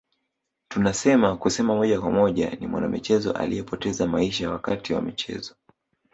Tunaweza kusema moja kwa moja ni mwanamichezo aliyepoteza maisha wakati wa michezo